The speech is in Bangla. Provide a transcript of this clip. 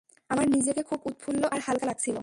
আমার নিজেকে খুব উৎফুল্ল আর হালকা লাগছিল।